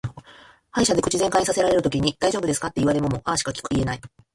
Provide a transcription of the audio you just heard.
歯医者で口全開にさせられてるときに「大丈夫ですか」って言われもも「あー」しか言えない。